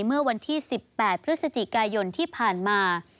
เมื่อวันที่๑๘พฤศจิกายนที่ผ่านมา